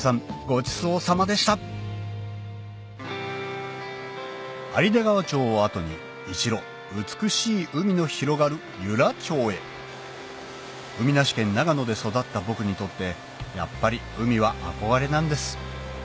ごちそうさまでした有田川町を後に一路美しい海の広がる由良町へ海なし県長野で育った僕にとってやっぱり海は憧れなんです